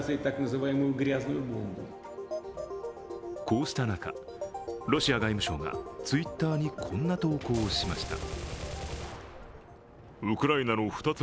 こうした中、ロシア外務省がＴｗｉｔｔｅｒにこんな投稿をしました。